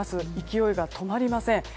勢いが止まりません。